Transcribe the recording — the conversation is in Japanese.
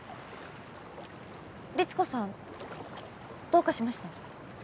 リツコさんどうかしました？